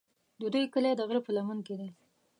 د دوی کلی د غره په لمن کې دی.